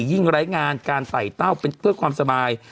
ไร้งานการใส่เต้าเป็นเพื่อความสบาย